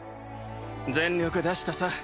全力出したさ。